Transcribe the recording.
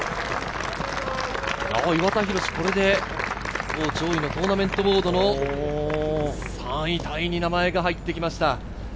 岩田寛、これで上位のトーナメントボードの３位タイに名前が入ってきました。